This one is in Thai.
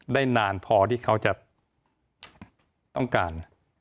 ได้นานพอที่เขาจะต้องการ